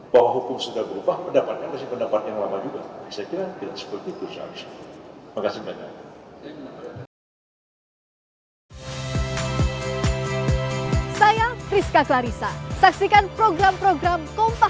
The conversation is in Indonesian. bahwa hukum sudah berubah mendapatkan pendapat yang lama juga